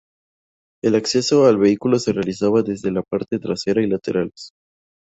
El acceso al vehículo se realizaba desde la parte trasera y laterales.